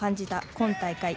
今大会。